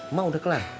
emang udah kelar